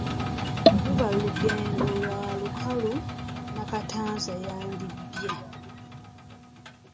Luba lugendo lwa lukalu Nakatanza yandibbye!